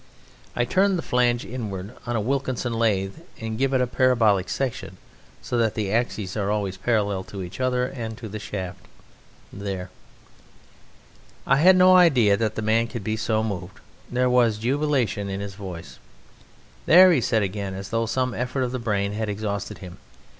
I turn the flange inward on a Wilkinson lathe and give it a parabolic section so that the axes are always parallel to each other and to the shaft.... There!" I had no idea the man could be so moved: there was jubilation in his voice. "There!" he said again, as though some effort of the brain had exhausted him.